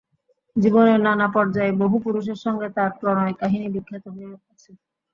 জীবনের নানা পর্যায়ে বহু পুরুষের সঙ্গে তাঁর প্রণয়-কাহিনি বিখ্যাত হয়ে আছে।